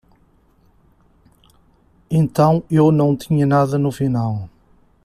Então eu não tinha nada no final.